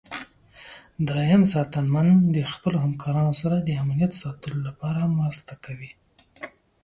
دریم ساتنمن د خپلو همکارانو سره د امنیت ساتلو لپاره مرسته کوي.